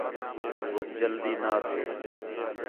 ہوک جلدی نا تھے